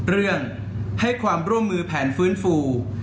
เรื่องให้ความร่วมมือแผนฟื้นฟู